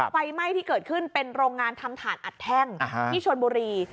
ไฟไหม้ที่เกิดขึ้นเป็นโรงงานทำถ่านอัดแท่งที่ชนบุรี